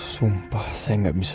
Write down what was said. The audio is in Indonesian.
punya dengan penyanyi nih